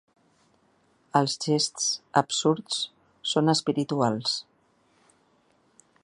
Els gests absurds són espirituals.